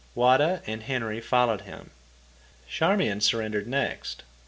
Wada and Henry followed him. Charmian surrendered next.